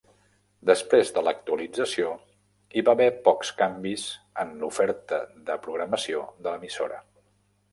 Després de l'actualització, hi va haver pocs canvis en l'oferta de programació de l'emissora.